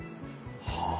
はあ。